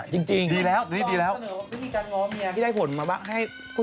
พื้นถึงว่าอีผู้ชายทำอะไรผิดล่ะ